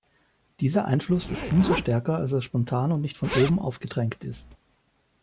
Dieser Einfluss ist umso stärker, als er spontan und nicht von oben aufgedrängt ist.